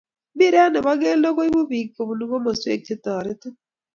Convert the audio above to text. Mpiret ne bo kelto koibuu biik kobunu komoswek che terotin.